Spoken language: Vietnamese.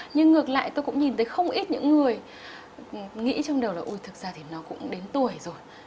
nhưng ngược lại tôi cũng nhìn thấy không ít những người nghĩ trong điều là ui thực ra thì nó cũng đến tuổi rồi